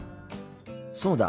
そうだ。